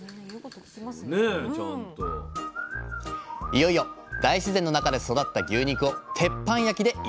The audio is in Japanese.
いよいよ大自然の中で育った牛肉を鉄板焼きで頂きます！